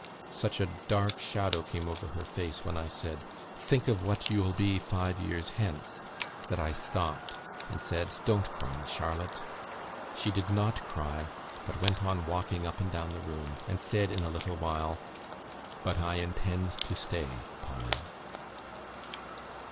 Such a dark shadow came over her face when I said, 'Think of what you'll be five years hence!' that I stopped, and said, 'Don't cry, Charlotte!' She did not cry, but went on walking up and down the room, and said in a little while, 'But I intend to stay, Polly.'"